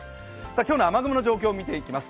今日の雨雲の状況、見ていきます。